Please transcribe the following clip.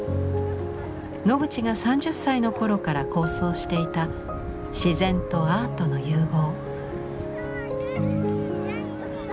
ノグチが３０歳の頃から構想していた自然とアートの融合。